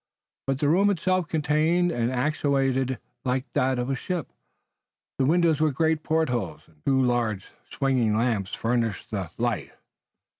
But the room itself continued and accentuated the likeness of a ship. The windows were great portholes, and two large swinging lamps furnished the light.